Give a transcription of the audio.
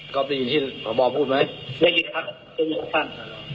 ก็เป็นที่เราบอกพูดไหมเรียกรี๊ดครับสวัสดีครับท่าน